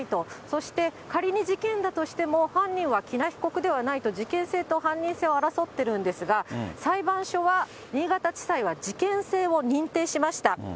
そして仮に事件だとしても、犯人は喜納被告ではないと、事件性と犯人性を争ってるんですが、裁判所は、新潟地裁は事件性を認定しました。